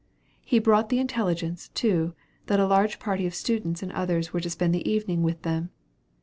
He brought the intelligence, too, that a large party of students and others were to spend the evening with them.